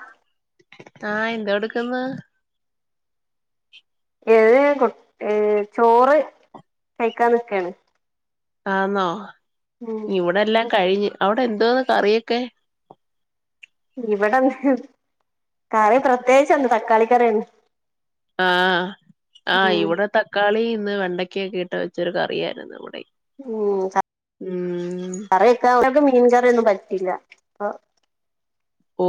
ആ ആഹ എന്താ എടുക്കന്ന് ഏത് കൊഏർ ചോറ് കഴിക്കാ നിക്കയാണ് ആണോ ഇവിടെല്ലാം കഴിഞ്ഞഞ് അവിടെ എന്തന്ന് കറിയൊക്കെ ഇവിടെന്ന് കറി പ്രത്യേകിച്ച് എന്ത് തക്കാള കറിെ ആഹ ആഹ് ഇവിടെ തക്കാളി ഇന്ന് വെണ്ടക്കൊക്കെ ഇട്ട വ ഇച്ചൊ കറിയായിരുന്നു അമ്മടെ ഉ തക്ക മീൻകറിയൊന്നും പറ്റില്ല ഓ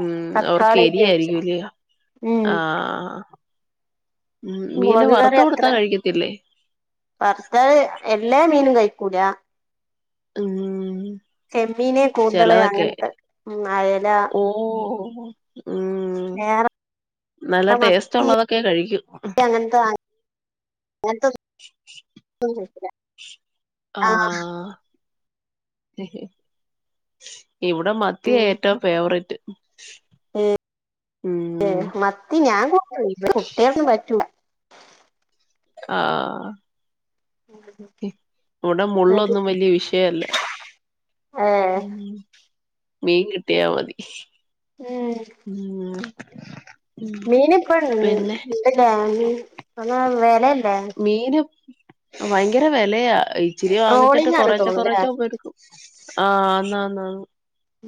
ഉം അവർക്ക് തക്കാളിട്ട് വെച്ചു എരിയായിരിക്കുംല്ലയ ഉം ആഹ ഉം മീന മുളക് വറുത്ത കറി അത്ര കൊടുത്താൻ കഴിക്കത്തില്ലേ ഭർത്താവ് എല്ലാ മീനും കഴിക്കൂല ഉം ചെമ്മീനെ കൂതള ചെലതൊക്കെ അങ്ങനത്തെ ഉ അയല [unintelligible] മ് വേറെ നല്ല മത്തി ടേസ്റ്റ് ഒള്ളതൊക്കെ കഴിക്കും. അങ്ങനത്തെ [unintelligible] ആഹ് ഉ ഇവടെ മത്തിയ ഏറ്റവും ഫേവറേറ്റ് ഏ ഉം ഏ മത്തി ഞാൻ [unintelligible] കുട്ടിയൾക്ക് പറ്റൂല്ല. ആ ഇവടെ അത് മുള്ളൊന്നും വലിയ വിഷയല്ല ഏ മീൻ കിട്ടിയാ മതി. ഏ ഉം മീനിപ്പ പിന്നെ ഇല്ല മീ [unintelligible] മീനും ആ ഭയങ്കര വെലയാ ഈ ഇച്ചിരി വാങ്ങിച്ചിട്ട് ട്രോളിംഗ് ആണ് കൊറേച്ചേ തോന്നുന്നല്ലേ കൊറേച്ചേ എടുക്കും ആ അനാനാന്ന്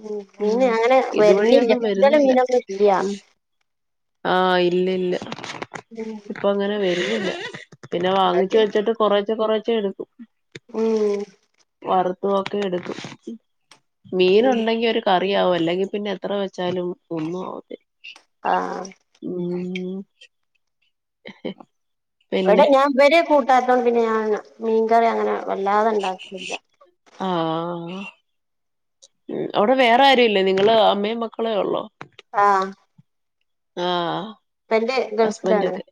ഉം മീൻ അങ്ങനെ വരുന്നില്ല. കൂടുതലും വരുന്നില്ല മീനങ്ങനെ ഇല്ല്യാ. ഉം ആഹ് ഇല്ലില്ല ഇപ്പൊ അങ്ങനെ വെരുന്നില്ല പിന്നെ വാങ്ങിച്ചു ഓക്കെ വെച്ചിട്ട് കൊറച്ചെ കൊറ എടുക്കും ഉം വറ് [unintelligible] എടുക്കും. മീൻ ഉം ഉണ്ടെങ്കി ഒരു ക റിയാവും അല്ലെങ്കി പിന്നെ എത്ര വെച്ചാലും ഒന്നും ആവത്ത് ആഹ് ഉം എടാ പിന്നെ ഞാൻ ഇവരെ കൂ ണ്ടാട്ടം പിന്നെ ഞാന് മീൻകറി അങ്ങനെ വല്ലാതെ ഉണ്ടാക്കലില്ല ആഹ് ഉം അവടെ വേറെ ആരും ഇല്ലേ നിങ്ങള് അമ്മേം മക്കളേ ഒള്ളോ ആഹ് ആഹ് എന്റെ ഹസ്ബൻഡ് ഗൾഫിലാണ്. ഒക്കെ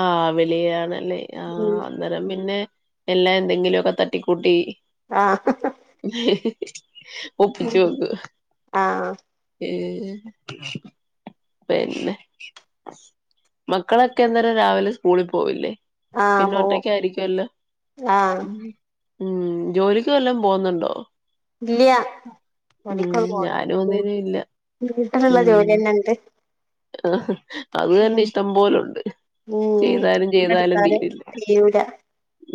ആഹ് വെളിയിലാണ്. അല്ലെ ആ ഉം അന്നേരം പിന്നെ എല്ലാം എന്തെങ്കിലൊക്കെ തട്ടിക്കൂട്ടി ആഹ് ഒപ്പിച്ച് വെക്കും ആഹ് ഏ പിന്നെ മക്കളൊക്കെ എന്നേരം രാവിലെ സ്കൂളി പോവില്ലേ? ആഹ് പിന്നെ പോവും ഒറ്റക്കായിരിക്കുവല്ലോ? ആഹ് ഉം. ജോലിക്ക് വല്ലോം പോന്നുണ്ടോ? ഇല്ല്യാ ജാലിക്കൊന്നും ഞാനും പോവ്ണില്ല ഒന്നിനും ഇല്ല ഇൻക് വീട്ടില്ള്ള ജോലിയെന്നെണ്ട് ആ അത് തന്നെ ഇഷ്ടം പോലുണ്ട്, ഉം ചെയ്താലും ചെയ്താലും അതെടുത്താലും തീരില്ല.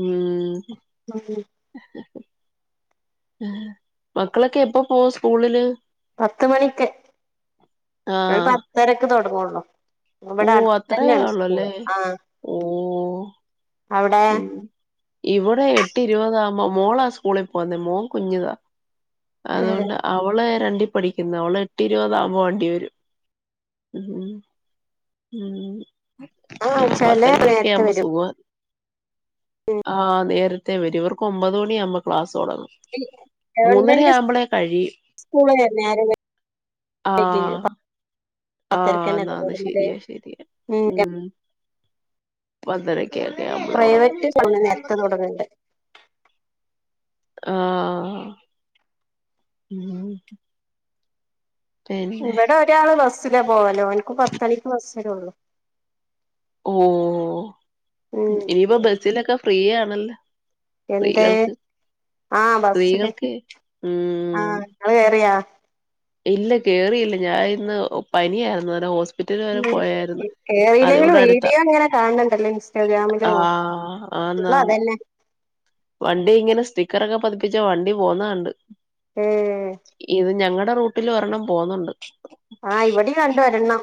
മ് മ് മക്കളൊക്കെ എപ്പ പോവും സ്കൂളില്. പത്ത് മണിക്ക് ഒരു ആഹ് പത്തരക്ക് തൊടങ്ങോള് ഓ അത്രെ സ്കൂള് ഒള്ളല്ലേ ഓ അവടെ ഇവടെ എട്ട് ഇരുപതാമ്പ മോളാ സ്കൂളിൽ പോന്നെ, മോൻ കുഞ്ഞിതാ. അതുകൊണ്ട് അവളെ രണ്ടീ പഠിക്ക്ന്ന്, അവള് എട്ട് ഇരുപതാവുമ്പ വണ്ടി വരും. മ് മ് ആ ആച്ചാല് നേരത്തെ വരും. ആ നേരി ത്തെ വരും ഇവർക്ക് ഒമ്പത് മണിയാവുമ്പോ ക്ലാസ് മൂന്നര ഗവൺമെന്റ് ആകുമ്പളെ കഴിയും, സ്കൂള് നേരം ആ വൈകി പത്തരക്കന്നെ ആന്നാന്ന് തൊടങ്ങല് ശരിയാ ശരിയാ ഉം മ് പത്തര പ്രൈവറ്റ് സമ [unintelligible] നേരത്തെ തൊടങ്ങണ്ട്. ആ ഉം പിന്നെ ഇവടൊരാള് ബസ് സ്സില പോവല് ഓൻക്ക് പത്തണിക്ക് ബസ്സെരൊള്ളൂ ഓ ഇനിപ്പ ബസ്സിലെക്കെ ഫ്രീയാണല്ലെ എന്തേ ആ ബസ്സില് സ്ത്രീകൾക്ക് ആ ഉം ങ്ങള് കേറ്യാ ഇല്ല കേറില്ല ഞാഇന്ന് പനിയായിരുന്നു അന ഹോസ്പി കേറില്ലെങ്കിലും അടുത്താ വീഡിയോ ങ്ങനെ കാണ്‌ണ് ണ്ടല്ലോ ഇൻസ്റ്റാഗ്രാമിലും ആഹ് ആന്നാന്ന് ഫുള്ളതന്നെ വണ്ടി ങ്ങനെ സ്റ്റിക്കറൊക്ക പതിപ്പിച്ച വണ്ടി പോന്നണ്ട് ഏഹ് ഇത് ഞങ്ങ ടെ റൂട്ടിലും ഒരെണ്ണം പോവുന്നുണ്ട് ആ ഇവടിം കണ്ടൊരെണ്ണം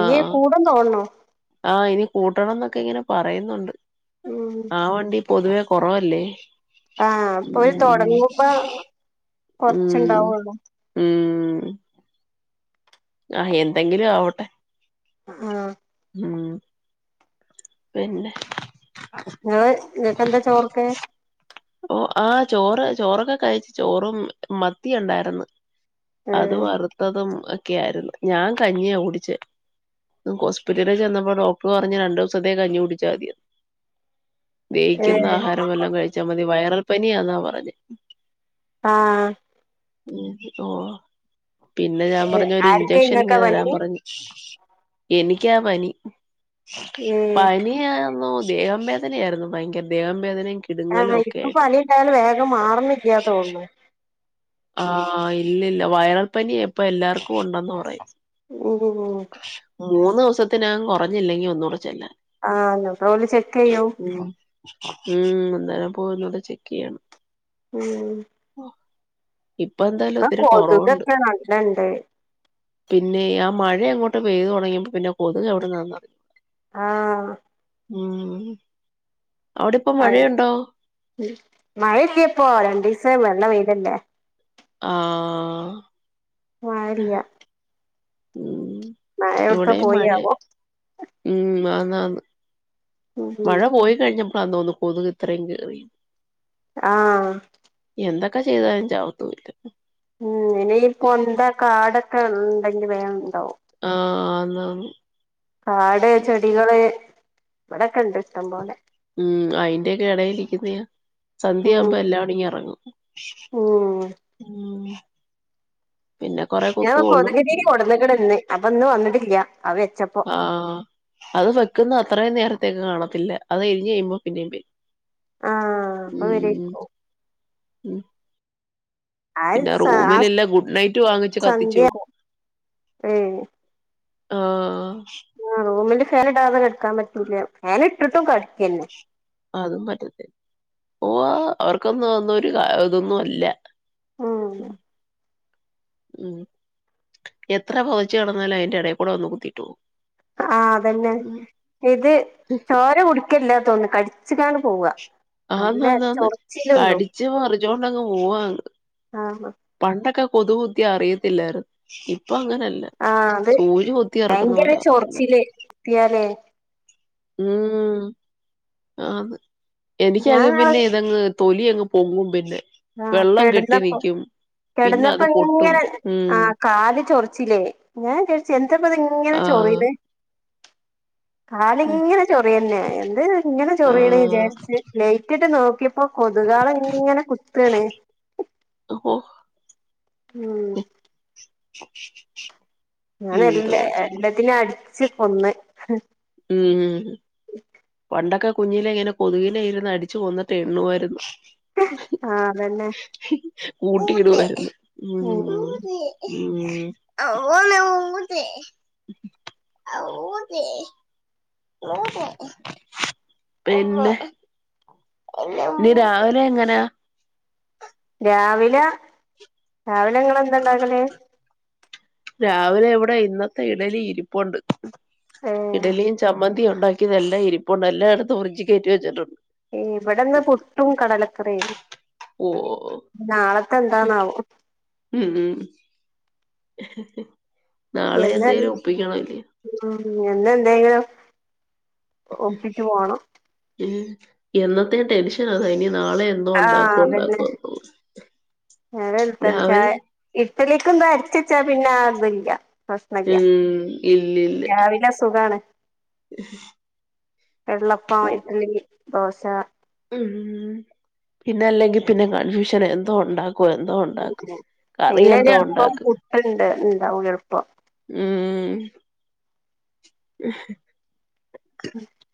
ഇഞ് കൂടും തോന്ന്ണൂ ത്ത ഇനി കൂട്ടണം ന്നൊക്കെ ഇങ്ങനെ പറയുന്നുണ്ട് ഉം ആ വണ്ടി പൊതുവേ കൊറവല്ലേ ആ ഇപ്പൊല് തൊടങ്ങുമ്പോ ഉം കൊർച്ച്ണ്ടാവൊള്ളോ ഉം ആ എന്തെങ്കിലു ആവട്ടെ ആ ഉം പിന്നെ ഇങ്ങള് ഇങ്ങക്കെന്താ ചോറ്ക്ക് ഓ ആ ചോറ് ചോറൊക്കെ കഴിച്ച് ചോറും മത്തി ഉണ്ടായിര്ന്ന് അത് ഉം വറ്ത്തതും ക്ക്യായിരുന്നു ഞാ കഞ്ഞിയാ കുടിച്ചേ ഹോസ്പിറ്റലിൽ ചെന്നപ്പോ ഡോക്ടർ പറഞ്ഞ് രണ്ടോ ഉച്ചതേ കഞ്ഞി കുടിച്ചാ മതി റ്ഞ്ഞ് വേവിക്ക്ന്ന ഏഹ് ആഹാരം വല്ലോം കഴി മതി വൈറൽ പനിയന്നാ പറഞ്ഞേ ആ ഉം ഓ പിന്നെ ഞാൻ ഏഹ് പറഞ്ഞു ആർക്കാ ഒരിഞ്ചക്ഷൻ ഇങ്ങ് ഇങ്ങക്കാ തരാൻ പനി പറഞ്ഞു എനിക്കാ പനി ഏഹ് പാനിയാന്നോ ദേഹം വേദനയായിരുന്നു ഭയങ്കര ദേവം വേദന ആഹ് ഇപ്പോ പനി ണ്ടായാലും വേഗം മാറണി ല്ലാട്ടോ ആ ഇല്ല ഇല്ല വയറൽപ്പനി എപ്പൊ എല്ലാർക്കും ഉണ്ടെന്ന് പറയും ഉം ഉം മൂന്ന് ദിവസത്തിനകും കുറഞ്ഞില്ലെങ്കിൽ ഒന്നുകൂടെ ചെല്ല ആഹ് ല്ലോ ഓല് ചെക്ക് ചെയ്യും ഉം ഉം എന്താലെ പോവുന്നത ചെക്ക് ചെയ്യണം ഉം ഇപ്പൊ എന്തായാലും ആ ഒത്തിരി കുറവുണ്ട് കൊതുുകൊക്കെ നല്ലണ്ട് പിന്നെ ആ മഴ അങ്ങോട്ട് പെയ്തു തുടങ്ങിയ്പ പിന്നെ കൊത്ത് എവിടുന്നന്ന് ആഹ് ഉം അവിടെ ഇപ്പ ആ മ്മ് മഴയുണ്ടോ മഴല്ലപ്പോ രണ്ടീസായ് നല്ല വെയ് ല്ലല്ല ആ മയല്ല ഉം മയെവുട്ക്കാ ഇവിടെയും മഴ പോയിയാവോ ഉം ആന്നാന്ന് മഴ ഉം പോയി കഴിഞ്ഞ വന്നോന്ന് കൊതുക് ഇത്രയും കേറീ ന്ന് ആ എന്തൊക്കെ ചെയ്താലും ചാവത്തുല്ല ച്ചെ ഇണ്ടെങ്കിൽ വേം ഉണ്ടാവും ആ ആന്നാന്ന് കാട് ചെടികള് വടൊക്കെണ്ട് ഇഷ്ടംമ്പോലെ ഉം അയിന്റെയൊക്കെ എടേലിരിക്കുന്നയാ ഉം സന്ധ്യയാവുമ്പോ എല്ലാങ്കൂടിം ഇങെറങ്ങും ഉം ഞാൻ കൊതുക് തിരി കൊട്ന്ന്ക്ക്ണ്ന്ന് അപ്പൊ ഇന്ന് വന്നിട്ട് ഇന്നില്ല ആ അത് വെക്കുന്ന അത്രയും നേര ത്തിന് കാണത്തില്ല അത് കഴിഞ് കഴിയുമ്പോ പിന്നേംവെര് ആ അപ്പൊ വരേയാക്കു ഉം പിന്നെ ആ റൂമിലെല്ലാം ഗുഡ് നൈറ്റ് വാങ്ങിച്ച് കത്തിച്ചു സന്ധ്യ വെക്ക് ആ ആ റൂമിന്റെ ഫേന് ഇടാതെ കെട്ക്കാൻ പറ്റൂല്ല ഫേന് ഇട്ട്ട്ടും കടിക്യന്നെ അതും പറ്റത്തില്ല ഓ അവർക്കൊന്നും അതൊന്നും ഒരു കാര് ഇതൊന്നും അല്ല ഉം മ്മ് മ്മ് എത്ര പൊതച്ച് കെടന്നാലും അയിൻ്റെ ഏടേൽക്കൂടെ വന്ന് കുത്തീട്ട് പോവും ആ അതന്നെ ഇത് ചോര കുടിക്കല്ലാ തോന്ന് കടിച്ച്ക്കാണ്ട് പോവ ആന്നാന്നാന്ന് കടിച്ച് പറിച്ചോണ്ടങ്ങ് പോവാന്ന് ആഹ് പണ്ടൊക്കെ കൊതു കുത്തിയാ അറിയത്തില്ലയ്ര്ന്ന് ഇപ് ഇപ്പൊങ്ങനല്ല ആഹ് അത് സൂജികുത്തി എറക്കുന്ന ഭയങ്കര പോലെയാ എറക്കുന്നെ ചൊറിച്ചില് കിട്ടിയാലേ മ്മ് ആ എനിക്യാണെ ഞാൻ പിന്നെ ഇതങ്ങ് തൊലി അങ് പോകും പിന്നെ ആ വെള്ളം കെട്ടി കെടന്നപ്പം നിക്കും പിന്നെ അത് കെടന്നപ്പം പൊട്ടും ഇങ്ങനെ ആ ഉം കാല് ചൊറിച്ചിലേ ഞാൻ വിചാരിച്ച് എന്താപ്പത് ഇങ്ങനെ ആഹ് ചോറിണെ കാലിങ്ങനെ ചൊറിയന്നെ എന്ത്‌ ഇങ്ങനെ ചൊറിയീണ ആഹ് വിചാരിച്ച് ലേറ്റിട്ട് നോ അപ്പൊ കൊതുകാള്ങ്ങനെ കു പിണേ ഓ ഉം [inaudible] ഞാന് എന്തോ എല്ല ചെയ്യും എല്ലത്തിനും അടി ച്ച് കൊന്ന് ഉം പണ്ടൊക്കെ കുഞ്ഞിലെ ഇങ്ങനെ കൊതുകിലെ ഇരുന്ന് അടിച്ച് കൊന്നിട്ട് എണ്ണുവായിരുന്നു ആഹ് അതന്നെ കൂട്ടി ഇട് വാര്ന്നു ഉം മ്മ് മ്മ് പിന്നെ ഇനി രാവിലെങ്ങനാ രാവിലെ രാവില് ഇങ്ങള് എന്താണ്ടാക്കല് രാവിലെ ഇവിടെ ഇന്നത്തെ ഇഡ്ഡലി ഇരിപ്പുണ്ട് ഏ ഇഡലിയും ചമ്മ ന്തിയും ഉണ്ടാക്കിതെല്ലാം ഇരിപ്പുണ്ട് എല്ലാം എടുത്ത് ഫ്രിഡ്ജ് കേറ്റി വെച്ചിട്ടുണ്ട് ഇവിടെന്ന് പുട്ടും കടലക്കറിയേനി ഓ നാളത്തെ എന്താണാവൊ ഉം [unintelligible] നാളെ എന്ന് എന്തേലും ഒപ്പിക്കണല്ലിയോ ഉം എന്നും എന്തേങ്കിലും ഒപ്പിച്ചു പോണം എന്നത്തേം ടെൻഷൻ അതാ ഇനി നാളെ എന്തോ ആഹ് ഉണ്ടാക്കോ അതന്നെ ഉണ്ടാക്കോന്നോ രാവിലെ ഇലേക്കെന്തും അരച്ചച്ചാ പിന്നെ ആ ഇത് ല്ല ഉം ഇല്ല ഇല്ല രാവിലെ സുഖാണ് [unintelligible] വെള്ളപ്പം ഇഡലി ദോശ ഉം പിന്നെ അല്ലെങ്കിൽ പിന്നെ കൺഫ്യൂഷൻ എന്തോ ഉണ്ടാ പിന്നെ അയല് എൾപ്പം ഉണ്ടാക്കും പുട്ട് ഇണ്ട് ഇണ്ടാവും എളുപ്പം ഉം ഉഹും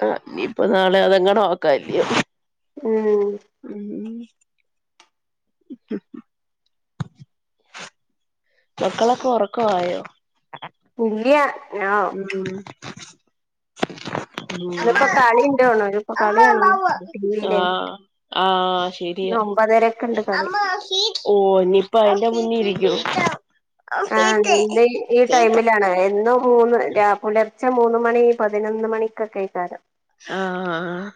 ആഹ് ഇ പ്പൊ നാളെ അതെങ്ങടും ആക്ക അല്ലിയോ ഉം ഉം ഉ [inaudible] മക്കളൊക്കെ ഉറക്ക ആയോ ഇല്ല ഞാ ഉം ഇന്നിപ്പോ കളി ഉണ്ടോണോ ഇപ്പോ ആ കളിയാണോ ടിവിയിലെ ആ ഇന്ന് ശരിയാ ഒമ്പതരക്ക് ഉണ്ട് കളി ഓ ഇനിപ്പ അതിന്റെ മുന്നിലിരി [inaudible] ആഹ് എ ഈ ടൈമിലാണ് എന്നും മൂന്ന് രാ പുലർച്ചെ മൂന്ന് മണി പതിനൊന്ന് മണിക്കൊക്കെക്കാരം ആഹ്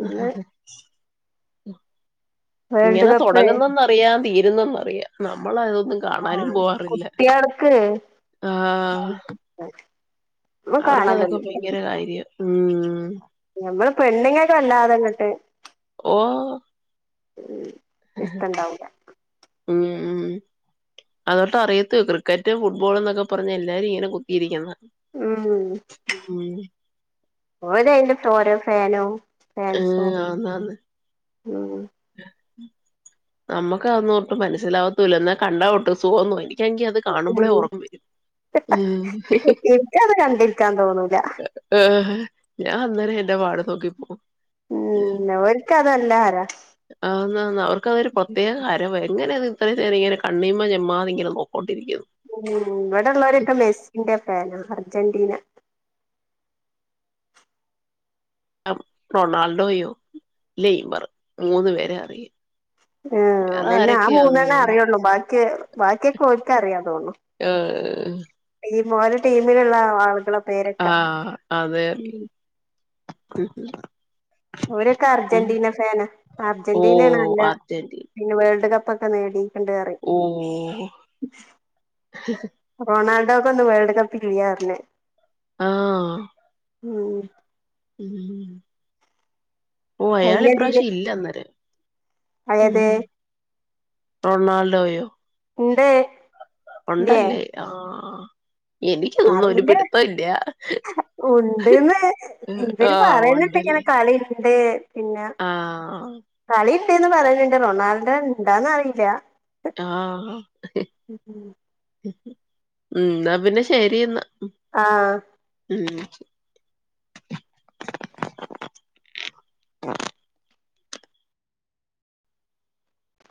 ഹ ഇന്ന് ഹ ഹ ഉം വേൾഡ് ഇങ്ങനെ കപ്പ് തുടങ്ങുന്നന്നറിയാം തീരുന്നന്നറിയാം നമ്മൾ അതൊന്നും ആ കാണാനും പോവാറില്ല കുട്ടികൾക്ക് ആഹ് ഒന്നും അവർക്ക് അതൊക്കെ കാണലൊന്നുല്ല ഭയങ്കര കാര്യാ ഉം നമ്മള് പെണ്ണിങ്ങക്കെ വല്ലാതങ്ങോട്ട് ഓ ഉം ഇഷ്ടം ഉണ്ടാവൂല ഉം ഉം അതോട്ട് അറിയത്ത ക്രിക്കറ്റ് ഫുട്ബോൾ എന്നൊക്കെ പറഞ്ഞഞ് എല്ലാരും ഇങ്ങനെ കുത്തിയിരിക്കുന്ന ഉം ഉം ഓൻ അതിന്റെ ഓരോ ഫാന ആഏ അതന്ന് ഉം നമ്മുക് അതൊന്നുട്ട മനസ്സിലാകത്തൂല്ല എന്നാ കണ്ടോ സുഖന്നു എനി എനിക്ക് അത് കാണുമ്പോളേ ഉം ഉറക്കം വരും എനിക്കത് കണ്ടിരിക്കാൻ തോന്നൂല ആഹ ഞാൻ അന്നേരം എന്റെ പാട് നോക്കിപ്പോകും ഉം ഓര്ക്കത് നല്ല ഹരാ ആ അവർക്കതൊരു പ്രത്യേക കഹരമാണ് എങ്ങനെത് ഇങ്ങന കണ്ണീമ ജമ്മാതിങ്ങനെ നോക്കോണ്ട് ഉം ഇവടള്ളോരക്ക മെസ്സീന്റ പാന അർജന്റീന. റൊണാൾഡോയോ ലെയ്ബർ മൂന്ന് പേരെ അറിയ ആഹ് അതന്നെ ആ മൂന്നണ്ണേ അറിയുള്ളൂ ബാക്കി ബാക്കിയക്ക ഓര് എനിക്കറിയാം. ആഹ്. മോന്റെ ടീമില്ള്ള ആള്കളൊ ആഹ് അതെ. ഉം. [unintelligible] അവരൊക്കെ അർജന്റീന ഫാന ഓഹ് അർജന്റീനണല്ല അർജന്റീന പിന്നെ വേൾഡ് കപ്പ് കപ്പ് ഒക്കെ നേടി. രണ്ട് ഓഹ് റൊണാൾ ഇതാകുവൊന്നും വേൾഡ് കപ്പ്‌ ചെയ്യാറില്ലേ ആർ അല്ലെ ആഹ്. മ്. [unintelligible] കഴിഞ്ഞതില് ഓഹ്അയാളിപ്രാശ്യം ഇല്ലന്ന് തെ അതായത് മ്മ് റൊണാൾഡോയോ? എന്തെ ഒണ്ടല്ലേ ആഹ് ആ. അറിയില്ല ഒണ്ട്ന്ന് ഇവര് ആഹ് പറയുന്നുണ്ടിങ്ങനെ ഒണ്ടല്ലേ കളില് തെ പിന്ന ആഹ് കളി [unintelligible] പറയുന്നുണ്ട് റൊണാൾഡോ ണ്ടാന്ന് അറില്ല. ആഹാ ന്നാപ്പിന്നെ ശെരിന്നാ ആഹ് മ്മ്.